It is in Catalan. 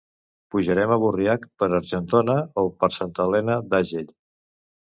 Pujarem a Burriac per Argentona o per Santa Elena d'Agell.